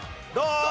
どう？